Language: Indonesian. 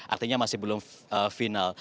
artinya masih belum final